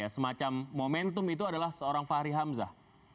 semacam momentum itu adalah seorang fahri hamzah